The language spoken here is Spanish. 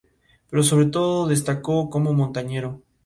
Habita en China.